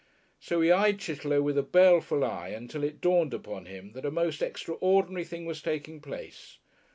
So he eyed Chitterlow with a baleful eye until it dawned upon him that a most extraordinary thing was taking place.